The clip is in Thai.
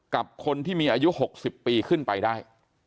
กับคนที่มีอายุ๖๐ปีขึ้นไปได้